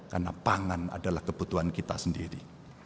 karena pangan adalah kebutuhan kita sendiri